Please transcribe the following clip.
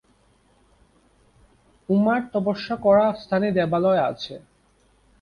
উমার তপস্যা করা স্থানে দেবালয় আছে।